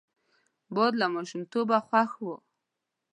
باد له ماشومتوبه خوښ وو